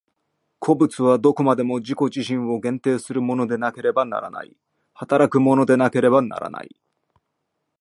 個物はどこまでも自己自身を限定するものでなければならない、働くものでなければならない。